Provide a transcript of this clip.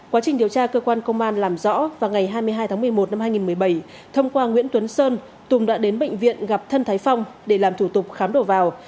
quá trình điều tra cơ quan công an làm rõ vào ngày hai mươi hai tháng một mươi một năm hai nghìn một mươi bảy thông qua nguyễn tuấn sơn tùng đã đến bệnh viện gặp thân thái phong để làm thủ tục khám đổ vào